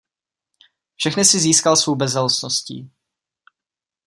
Všechny si získal svou bezelstností.